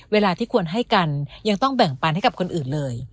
เวลาที่ควรให้กันยังต้องแบ่งปันให้กับคนอื่นเลย